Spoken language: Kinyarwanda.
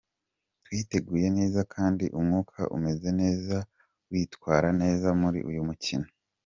Twiteguye neza kandi umwuka umeze neza kwitwara neza muri uyu mukino.